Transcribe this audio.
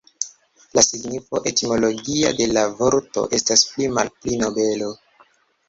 La signifo etimologia de la vorto estas pli malpli "nobelo".